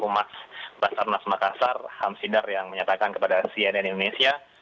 mas basarnas makassar hamsidar yang menyatakan kepada cnn indonesia